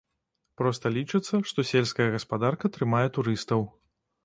Проста лічыцца, што сельская гаспадарка трымае турыстаў.